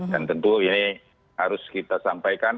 dan tentu ini harus kita sampaikan